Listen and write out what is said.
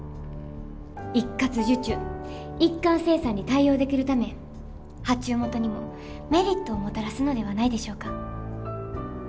一括受注一貫生産に対応できるため発注元にもメリットをもたらすのではないでしょうか？